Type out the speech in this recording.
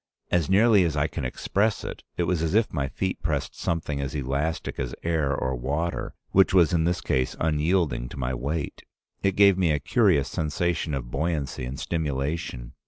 As nearly as I can express it, it was as if my feet pressed something as elastic as air or water, which was in this case unyielding to my weight. It gave me a curious sensation of buoyancy and stimulation.